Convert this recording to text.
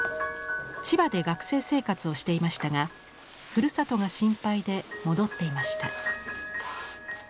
千葉で学生生活をしていましたがふるさとが心配で戻っていました。